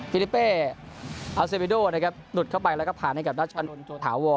ฟิลิเปอัลเซฟิโดหนุดเข้าไปแล้วก็ผ่านให้กับราชาวนท์โถถาวร